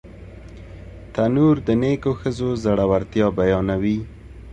تنور د نیکو ښځو زړورتیا بیانوي